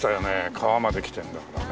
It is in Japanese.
川まで来てるんだからね。